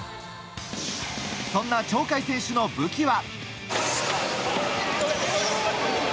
そんな鳥海選手の武器は。